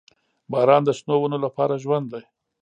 • باران د شنو ونو لپاره ژوند دی.